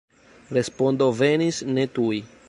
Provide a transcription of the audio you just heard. Respondo venis ne tuj.